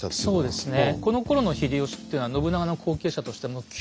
そうです。